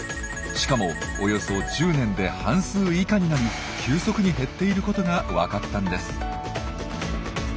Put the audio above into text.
しかもおよそ１０年で半数以下になり急速に減っていることが分かったんです。